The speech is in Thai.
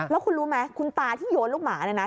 แล้วคุณรู้ไหมคุณตาที่โยนลูกหมาเนี่ยนะ